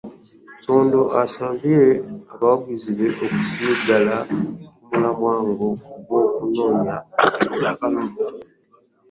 Sodo asabye abawagizi be okusigala ku mulamwa gw'okunoonya akalulu